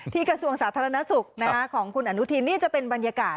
กระทรวงสาธารณสุขของคุณอนุทินนี่จะเป็นบรรยากาศ